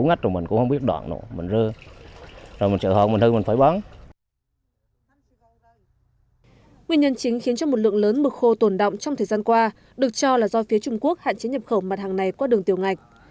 nguyên nhân chính khiến cho một lượng lớn mực khô tồn động trong thời gian qua được cho là do phía trung quốc hạn chế nhập khẩu mặt hàng này qua đường tiểu ngạch